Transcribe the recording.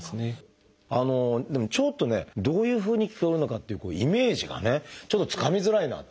でもちょっとねどういうふうに聞こえるのかっていうイメージがねちょっとつかみづらいなっていう。